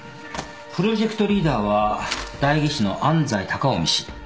プロジェクトリーダーは代議士の安斎高臣氏。